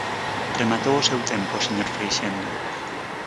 Rematou o seu tempo, señor Freixendo.